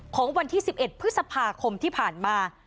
ของวันที่๑๑พฤษภาคมที่ผ่านมา